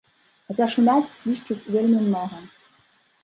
Хаця шумяць, свішчуць вельмі многа.